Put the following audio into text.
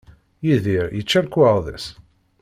Yidir yečča lekwaɣeḍ-is.